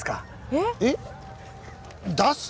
えっ？